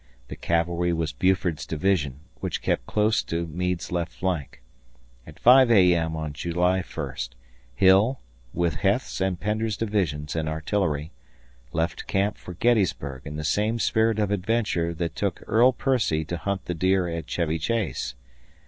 The cavalry was Buford's division, which kept close to Meade's left flank. At 5 A.M. on July 1, Hill, with Heth's and Pender's divisions and artillery, left camp for Gettysburg in the same spirit of adventure that took Earl Percy to hunt the deer at Chevy Chase.